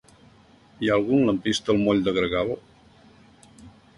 Hi ha algun lampista al moll de Gregal?